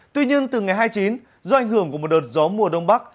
tuy nhiên từ ngày hai mươi chín do ảnh hưởng của một đợt gió mùa đông bắc